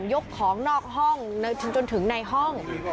ยกของนอกห้องจนถึงในห้อง